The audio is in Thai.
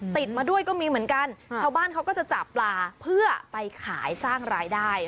ติดมาด้วยก็มีเหมือนกันชาวบ้านเขาก็จะจับปลาเพื่อไปขายสร้างรายได้